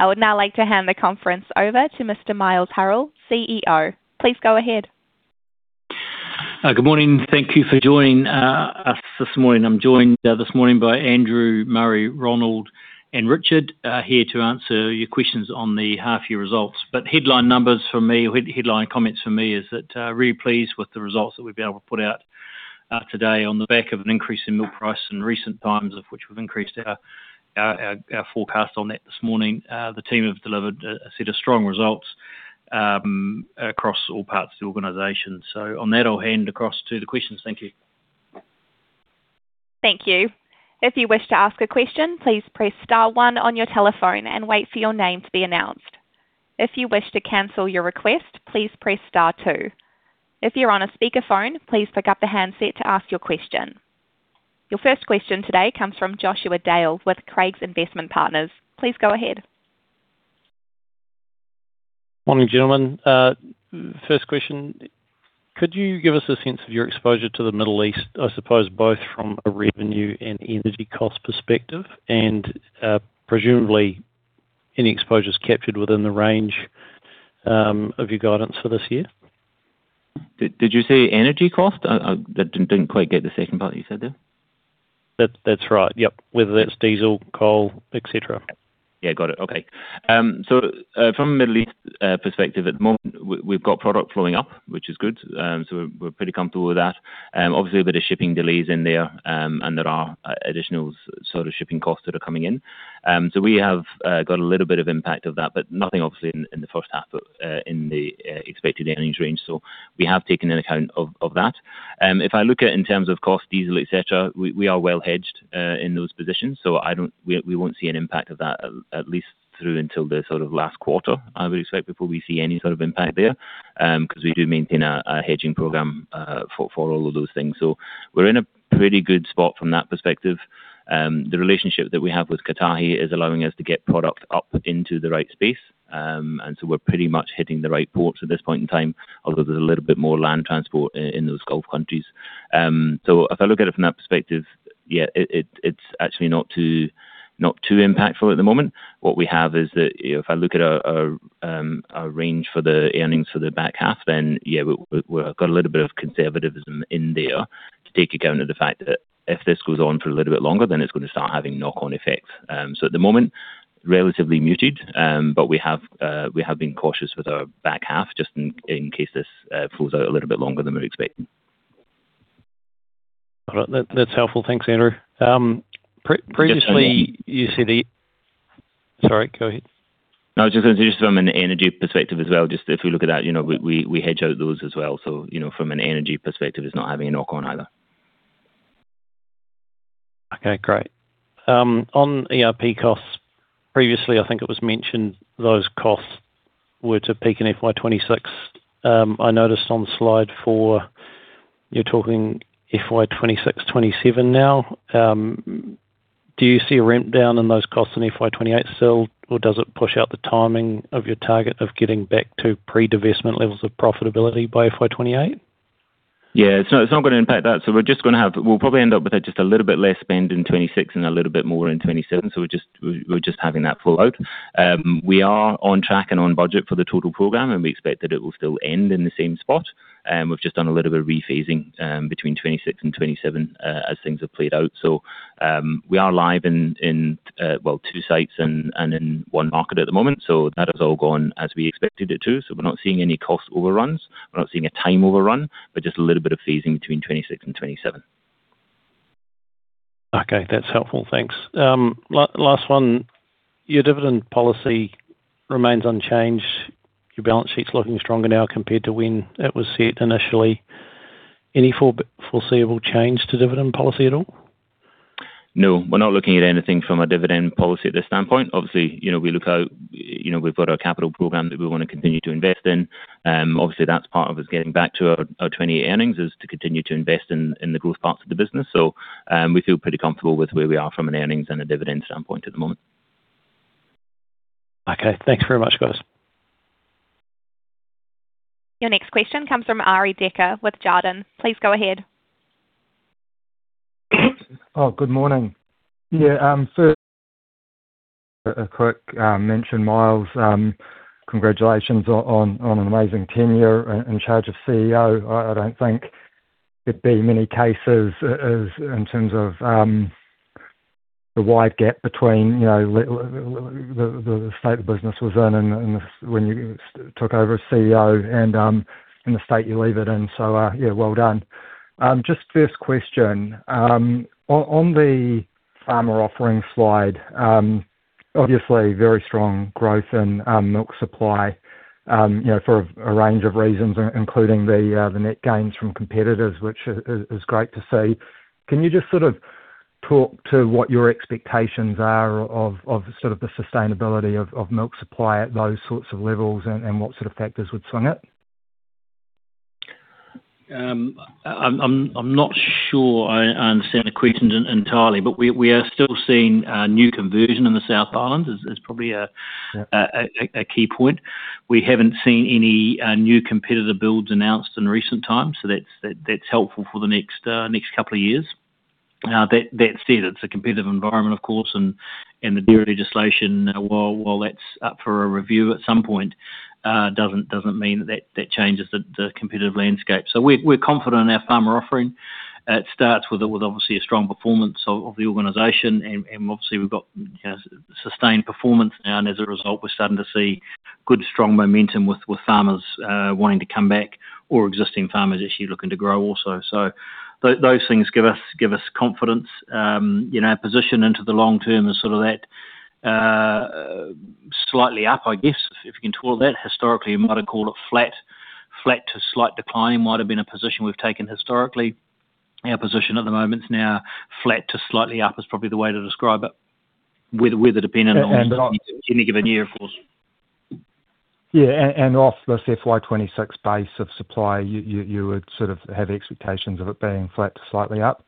I would now like to hand the conference over to Mr. Miles Hurrell, CEO. Please go ahead. Good morning. Thank you for joining us this morning. I'm joined this morning by Andrew Murray, Ronald, and Richard here to answer your questions on the half-year results. Headline comments from me is that really pleased with the results that we've been able to put out today on the back of an increase in milk price in recent times, of which we've increased our forecast on that this morning. The team have delivered a set of strong results across all parts of the organization. On that, I'll hand across to the questions. Thank you. Thank you. If you wish to ask a question, please press star one on your telephone and wait for your name to be announced. If you wish to cancel your request, please press star two. If you're on a speakerphone, please pick up the handset to ask your question. Your first question today comes from Joshua Dale with Craigs Investment Partners. Please go ahead. Morning, gentlemen. First question, could you give us a sense of your exposure to the Middle East, I suppose both from a revenue and energy cost perspective, and, presumably any exposures captured within the range of your guidance for this year? Did you say energy cost? I didn't quite get the second part you said there. That's right. Yep. Whether it's diesel, coal, et cetera. Yeah, got it. Okay. From a Middle East perspective, at the moment, we've got product flowing up, which is good. We're pretty comfortable with that. Obviously a bit of shipping delays in there, and there are additional sort of shipping costs that are coming in. We have got a little bit of impact of that, but nothing obvious in the first half of the expected earnings range. We have taken into account of that. If I look at in terms of cost, diesel, et cetera, we are well hedged in those positions, so I don't. We won't see an impact of that at least through until the sort of last quarter, I would expect, before we see any sort of impact there, 'cause we do maintain a hedging program for all of those things. We're in a pretty good spot from that perspective. The relationship that we have with Baladna is allowing us to get product up into the right space. We're pretty much hitting the right ports at this point in time, although there's a little bit more land transport in those Gulf countries. If I look at it from that perspective, yeah, it's actually not too impactful at the moment. What we have is that, you know, if I look at our range for the earnings for the back half, then yeah, we've got a little bit of conservatism in there to take account of the fact that if this goes on for a little bit longer, then it's gonna start having knock-on effects. At the moment, relatively muted, but we have been cautious with our back half just in case this falls out a little bit longer than we're expecting. All right. That's helpful. Thanks, Andrew. Just on that. Sorry, go ahead. No, I was just gonna say from an energy perspective as well, just if you look at that, you know, we hedge out those as well. So, you know, from an energy perspective, it's not having a knock on either. Okay, great. On ERP costs, previously, I think it was mentioned those costs were to peak in FY 2026. I noticed on slide four you're talking FY 2026, FY 2027 now. Do you see a ramp down in those costs in FY 2028 still, or does it push out the timing of your target of getting back to pre-divestment levels of profitability by FY 2028? Yeah. It's not gonna impact that. We're just gonna have. We'll probably end up with just a little bit less spend in 2026 and a little bit more in 2027. We're just having that full load. We are on track and on budget for the total program, and we expect that it will still end in the same spot. We've just done a little bit of rephasing between 2026 and 2027 as things have played out. We are live in well, two sites and in one market at the moment, so that has all gone as we expected it to. We're not seeing any cost overruns. We're not seeing a time overrun, but just a little bit of phasing between 2026 and 2027. Okay. That's helpful. Thanks. Last one, your dividend policy remains unchanged. Your balance sheet's looking stronger now compared to when it was set initially. Any foreseeable change to dividend policy at all? No, we're not looking at anything from a dividend policy at this standpoint. Obviously, you know, we look out, you know, we've got our capital program that we wanna continue to invest in. Obviously that's part of us getting back to our 20 earnings, is to continue to invest in the growth parts of the business. So, we feel pretty comfortable with where we are from an earnings and a dividend standpoint at the moment. Okay. Thanks very much, guys. Your next question comes from Arie Dekker with Jarden. Please go ahead. Oh, good morning. Yeah, first a quick mention, Miles, congratulations on an amazing tenure in charge as CEO. I don't think there'd be many cases as in terms of the wide gap between, you know, the state the business was in and when you took over as CEO and the state you leave it in. Yeah, well done. Just first question. On the farmer offering slide, obviously very strong growth in milk supply, you know, for a range of reasons, including the net gains from competitors, which is great to see. Can you just sort of talk to what your expectations are of sort of the sustainability of milk supply at those sorts of levels and what sort of factors would swing it? I'm not sure I understand the question entirely, but we are still seeing new conversion in the South Island is probably a key point. We haven't seen any new competitor builds announced in recent times, so that's helpful for the next couple of years. Now that said, it's a competitive environment of course, and the dairy legislation, while that's up for a review at some point, doesn't mean that changes the competitive landscape. We're confident in our farmer offering. It starts with obviously a strong performance of the organization and obviously we've got sustained performance now and as a result, we're starting to see good strong momentum with farmers wanting to come back or existing farmers actually looking to grow also. Those things give us confidence. You know, position into the long term is sort of that, slightly up, I guess, if you can call it that. Historically, you might have called it flat. Flat to slight decline might have been a position we've taken historically. Our position at the moment is now flat to slightly up, is probably the way to describe it. Weather-dependent on any given year, of course. Yeah. Off this FY 2026 base of supply, you would sort of have expectations of it being flat to slightly up?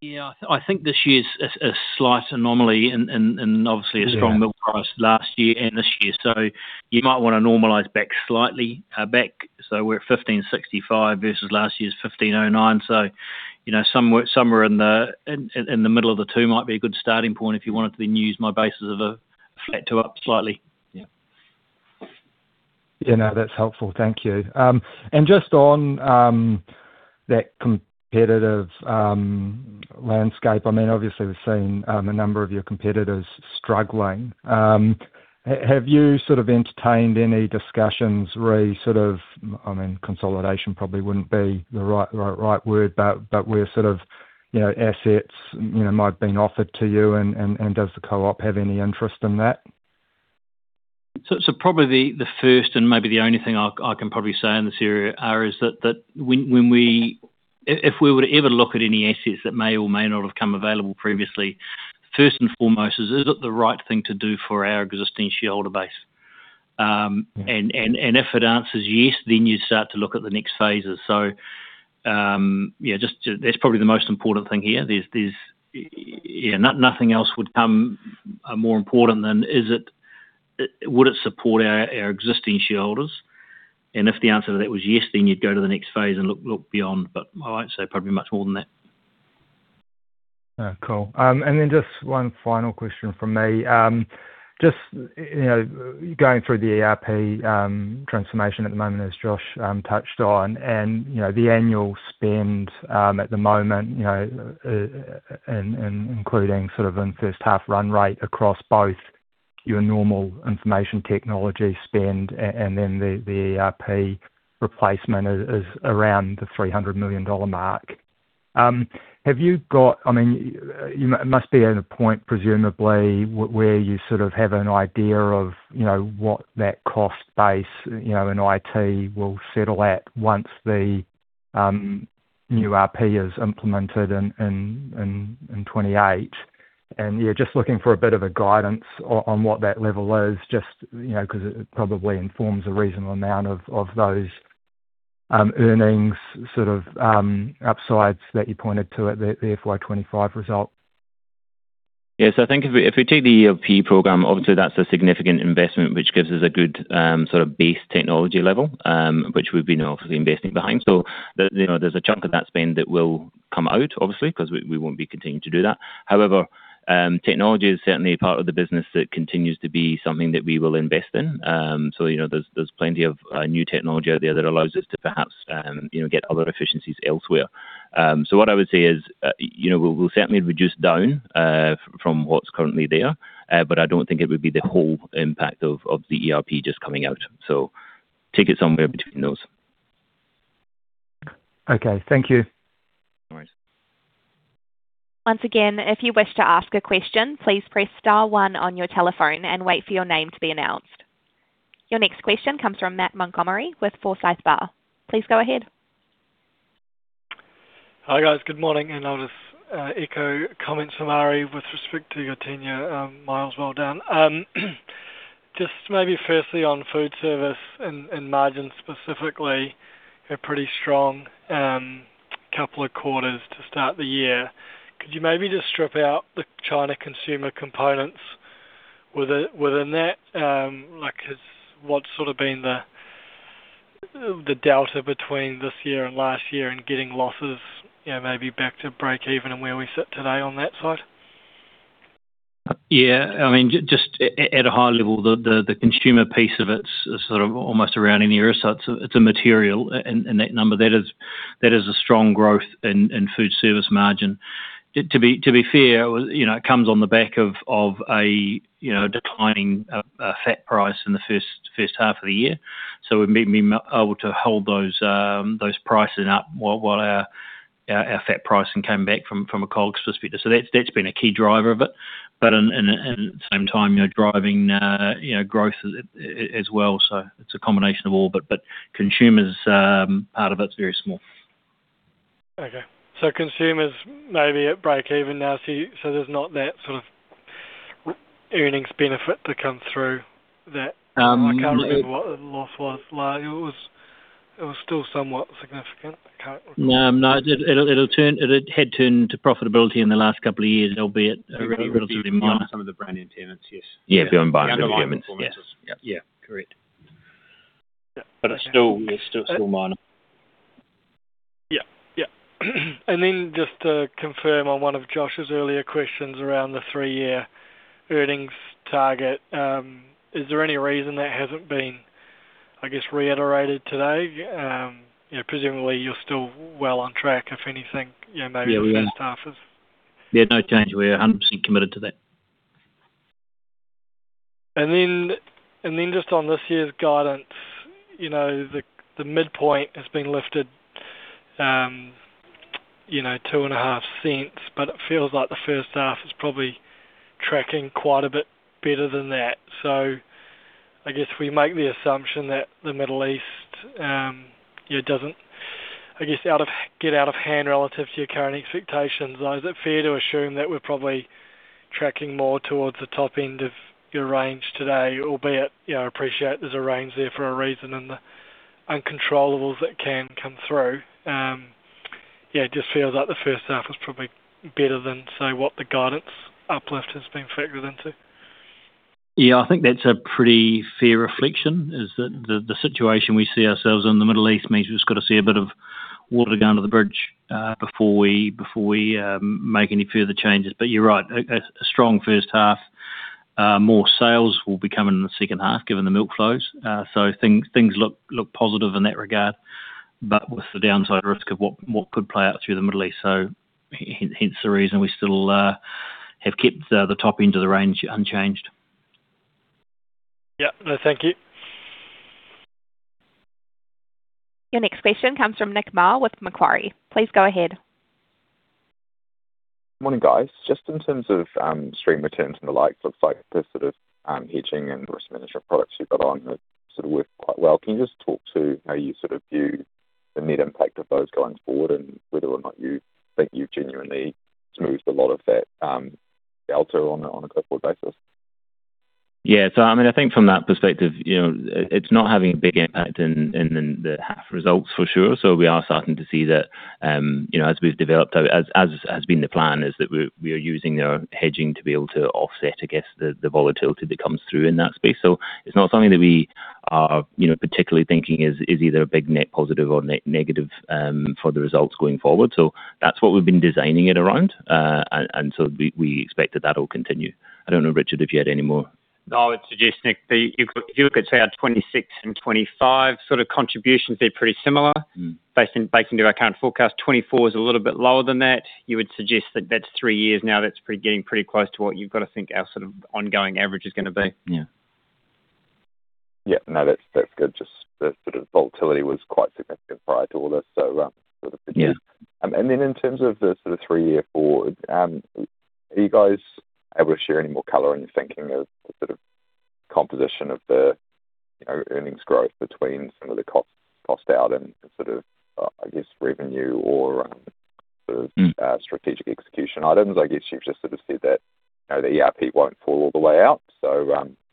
Yeah. I think this year's a slight anomaly and obviously a strong milk price last year and this year. You might wanna normalize back slightly. We're at 1,565 million kgMS versus last year's 1,509 million kgMS. You know, somewhere in the middle of the two might be a good starting point if you wanted to then use my basis of a flat to up slightly. Yeah. Yeah, no, that's helpful. Thank you. Just on that competitive landscape, I mean, obviously we've seen a number of your competitors struggling. Have you sort of entertained any discussions re sort of I mean, consolidation probably wouldn't be the right word, but where sort of, you know, assets, you know, might have been offered to you and does the co-op have any interest in that? Probably the first and maybe the only thing I can probably say in this area, Arie, is that when we if we were to ever look at any assets that may or may not have come available previously, first and foremost is it the right thing to do for our existing shareholder base? And if it answers yes, then you start to look at the next phases. That's probably the most important thing here. Nothing else would come more important than is it would it support our existing shareholders? If the answer to that was yes, then you'd go to the next phase and look beyond. I won't say probably much more than that. Cool. Just one final question from me. Just, you know, going through the ERP transformation at the moment, as Josh touched on, and, you know, the annual spend at the moment, you know, and including sort of in first half run rate across both your normal information technology spend and then the ERP replacement is around the 300 million dollar mark. Have you got. I mean, you must be at a point, presumably where you sort of have an idea of, you know, what that cost base, you know, in IT will settle at once the new ERP is implemented in 2028. Yeah, just looking for a bit of a guidance on what that level is just, you know, 'cause it probably informs a reasonable amount of those earnings sort of upsides that you pointed to at the FY 2025 result. Yeah. I think if we take the ERP program, obviously that's a significant investment, which gives us a good sort of base technology level, which we've been obviously investing behind. You know, there's a chunk of that spend that will come out obviously, 'cause we won't be continuing to do that. However, technology is certainly a part of the business that continues to be something that we will invest in. You know, there's plenty of new technology out there that allows us to perhaps get other efficiencies elsewhere. What I would say is, you know, we'll certainly reduce down from what's currently there, but I don't think it would be the whole impact of the ERP just coming out. Take it somewhere between those. Okay. Thank you. No worries. Once again, if you wish to ask a question, please press star one on your telephone and wait for your name to be announced. Your next question comes from Matt Montgomerie with Forsyth Barr. Please go ahead. Hi, guys. Good morning, and I'll just echo comments from Arie with respect to your tenure, Miles, well done. Just maybe firstly on Foodservice and margin specifically, a pretty strong couple of quarters to start the year. Could you maybe just strip out the China consumer components within that? Like 'cause what's sort of been the delta between this year and last year and getting losses, you know, maybe back to breakeven and where we sit today on that side? Yeah. I mean, just at a high level, the Consumer piece of it is sort of almost a rounding error, so it's a material. That number is a strong growth in Foodservice margin. To be fair, you know, it comes on the back of a you know declining fat price in the first half of the year. We've been able to hold those prices up while our fat pricing came back from a COGS perspective. That's been a key driver of it. At the same time, you know, driving you know growth as well. It's a combination of all. Consumer part of it is very small. Consumers may be at breakeven now, so there's not that sort of earnings benefit to come through that. Um- I can't remember what the loss was like. It was still somewhat significant. I can't remember. No, it had turned to profitability in the last couple of years, albeit relatively minor. Beyond some of the brand impairments, yes. Yeah, beyond buying the impairments. The underlying performance was. Yep. Yeah. Correct. It's still minor. Yeah. Just to confirm on one of Josh's earlier questions around the three-year earnings target, is there any reason that hasn't been, I guess, reiterated today? You know, presumably you're still well on track, if anything, you know, maybe. Yeah, we are. The first half is. Yeah, no change. We're 100% committed to that. Just on this year's guidance, you know, the midpoint has been lifted, you know, NZD 0.025, but it feels like the first half is probably tracking quite a bit better than that. I guess we make the assumption that the Middle East, you know, doesn't get out of hand relative to your current expectations. Is it fair to assume that we're probably tracking more towards the top end of your range today, albeit, you know, appreciate there's a range there for a reason, and the uncontrollables that can come through. It just feels like the first half is probably better than, say, what the guidance uplift has been factored into. Yeah. I think that's a pretty fair reflection is that the situation we see ourselves in the Middle East means we've just got to see a bit of water going under the bridge before we make any further changes. You're right. A strong first half, more sales will be coming in the second half given the milk flows. Things look positive in that regard. With the downside risk of what could play out through the Middle East. Hence the reason we still have kept the top end of the range unchanged. Yeah. No, thank you. Your next question comes from Nick Mar with Macquarie. Please go ahead. Morning, guys. Just in terms of stream returns and the likes, looks like this sort of hedging and risk management products you've got on have sort of worked quite well. Can you just talk to how you sort of view the net impact of those going forward and whether or not you think you've genuinely smoothed a lot of that delta on a, on a go-forward basis? Yeah. I mean, I think from that perspective, you know, it's not having a big impact in the half results for sure. We are starting to see that, you know, as we've developed, as has been the plan, is that we are using our hedging to be able to offset, I guess, the volatility that comes through in that space. It's not something that we are, you know, particularly thinking is either a big net positive or negative for the results going forward. That's what we've been designing it around. We expect that that will continue. I don't know, Richard, if you had any more. I would suggest, Nick. If you look at say our FY 2026 and FY 2025 sort of contributions, they're pretty similar. Mm. Based on our current forecast, 2024 is a little bit lower than that. You would suggest that that's three years now, that's getting pretty close to what you've got to think our sort of ongoing average is gonna be. Yeah. Yeah. No. That's good. Just the sort of volatility was quite significant prior to all this, so. Yeah. In terms of the sort of three-year forward, are you guys able to share any more color in your thinking of the sort of composition of the, you know, earnings growth between some of the cost out and sort of, I guess, revenue or, sort of? Mm. Strategic execution items? I guess you've just sort of said that, you know, the ERP won't fall all the way out.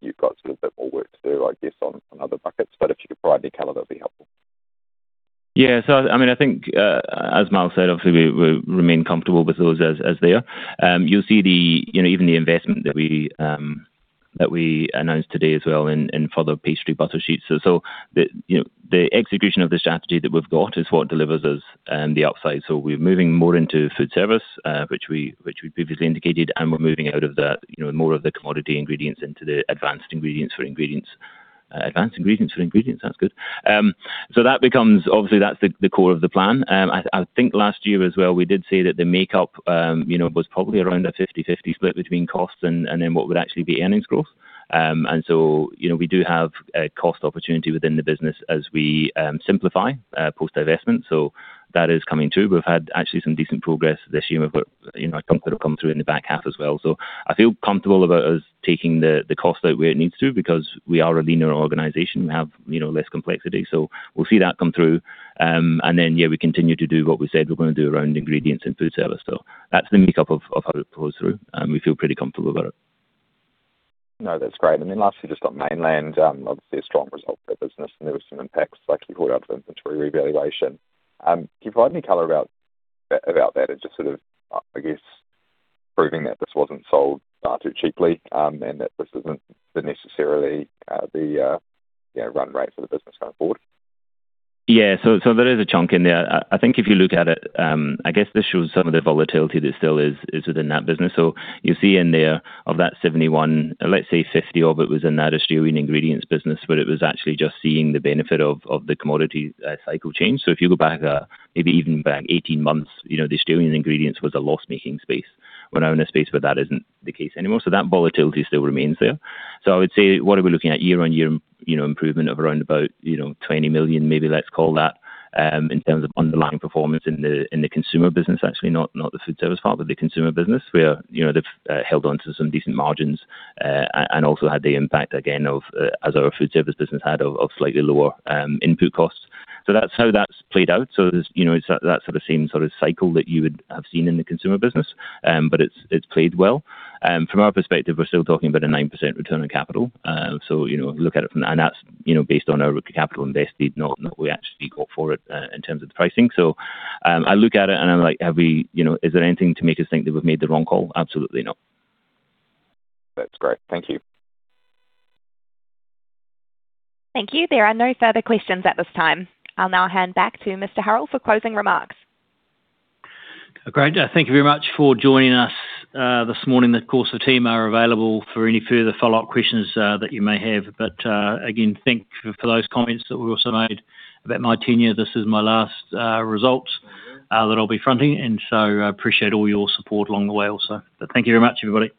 You've got sort of a bit more work to do, I guess, on other buckets. If you could provide any color, that'd be helpful. Yeah. I mean, I think, as Miles said, obviously we remain comfortable with those as they are. You'll see, you know, even the investment that we announced today as well in further pastry butter sheets. The execution of the strategy that we've got is what delivers us the upside. We're moving more into Foodservice, which we previously indicated, and we're moving out of, you know, more of the commodity ingredients into the Advanced Ingredients for Ingredients. Advanced Ingredients for Ingredients. That's good. That becomes, obviously, that's the core of the plan. I think last year as well, we did say that the makeup, you know, was probably around a 50/50 split between costs and then what would actually be earnings growth. You know, we do have a cost opportunity within the business as we simplify post-divestment. That is coming too. We've had actually some decent progress this year. We've got, you know, a couple have come through in the back half as well. I feel comfortable about us taking the cost out where it needs to because we are a leaner organization. We have, you know, less complexity. We'll see that come through. Yeah, we continue to do what we said we're gonna do around Ingredients and Foodservice. That's the makeup of how it flows through, and we feel pretty comfortable about it. No, that's great. Lastly, just on Mainland, obviously a strong result for that business and there were some impacts, like you pointed out, for inventory revaluation. Can you provide any color about that and just sort of, I guess proving that this wasn't sold too cheaply, and that this isn't necessarily the run rate for the business going forward? Yeah. There is a chunk in there. I think if you look at it, I guess this shows some of the volatility that still is within that business. You'll see in there, of that 71, let's say 50 of it was in that Australian Ingredients business, but it was actually just seeing the benefit of the commodity cycle change. If you go back, maybe even back 18 months, you know, the Australian Ingredients was a loss-making space. We're now in a space where that isn't the case anymore, so that volatility still remains there. I would say what are we looking at year-on-year, you know, improvement of around about, you know, 20 million maybe let's call that, in terms of underlying performance in the Consumer business actually, not the Foodservice part, but the Consumer business where, you know, they've held on to some decent margins and also had the impact again of, as our Foodservice business had of slightly lower input costs. That's how that's played out. There's, you know, it's that sort of same sort of cycle that you would have seen in the Consumer business. It's played well. From our perspective, we're still talking about a 9% return on capital. You know, look at it from. That's, you know, based on our capital invested, not what we actually got for it, in terms of the pricing. I look at it and I'm like, have we, you know, is there anything to make us think that we've made the wrong call? Absolutely not. That's great. Thank you. Thank you. There are no further questions at this time. I'll now hand back to Mr. Hurrell for closing remarks. Great. Thank you very much for joining us, this morning. Of course, the team are available for any further follow-up questions, that you may have. Again, thank you for those comments that were also made about my tenure. This is my last results that I'll be fronting, and so I appreciate all your support along the way also. Thank you very much, everybody.